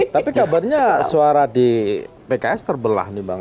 tapi kabarnya suara di pks terbelah nih bang